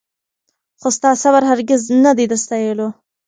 خو ستا صبر هرګز نه دی د ستایلو